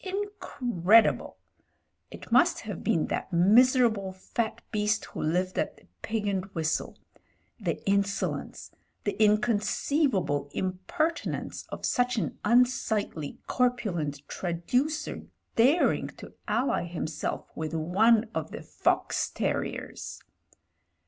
Incredible! It must have been that miserable fat beast who lived at the Pig and Whistle. The insolence — ^the inconceivable imperti nence of such an imsightly, corpulent traducer daring to ally himself with One of the Fox Terriers.